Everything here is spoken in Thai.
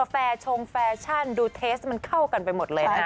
แฟชงแฟชั่นดูเทสมันเข้ากันไปหมดเลยนะ